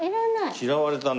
嫌われたね。